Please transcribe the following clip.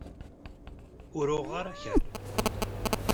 Ur uɣeɣ ara akal.